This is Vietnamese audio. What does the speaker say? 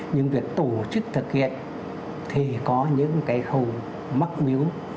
nhưng việc tổ chức thực hiện thì có những cái khâu mắc miếu